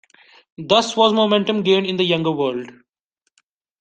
Thus was momentum gained in the Younger World.